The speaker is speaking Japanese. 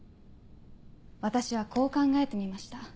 私はこう考えてみました。